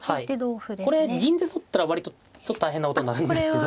これ銀で取ったら割とちょっと大変なことになるんですけど。